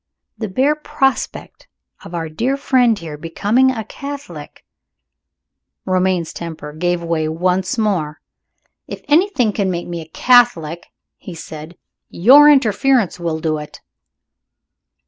The bare prospect of our dear friend here becoming a Catholic " Romayne's temper gave way once more. "If anything can make me a Catholic," he said, "your interference will do it."